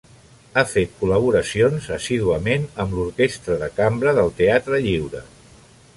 Ha fet col·laboracions assíduament amb l'Orquestra de Cambra del Teatre Lliure.